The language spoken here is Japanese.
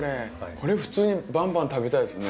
これ普通にバンバン食べたいですね。